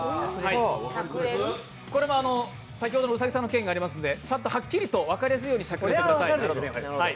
これも先ほどの兎さんの件がありますのではっきりと分かりやすいようにしゃくれてください。